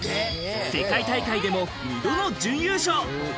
世界大会でも２度の準優勝。